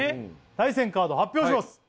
対戦カード発表します